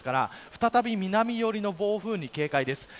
再び南寄りの暴風に警戒です。